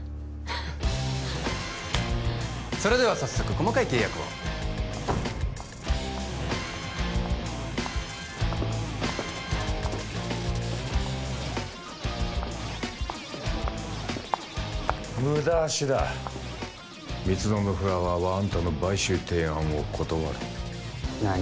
それでは早速細かい契約を無駄足だ蜜園フラワーはあんたの買収提案を断る何？